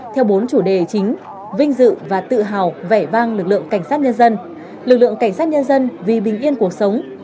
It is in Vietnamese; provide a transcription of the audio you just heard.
theo bốn chủ đề chính vinh dự và tự hào vẻ vang lực lượng cảnh sát nhân dân lực lượng cảnh sát nhân dân vì bình yên cuộc sống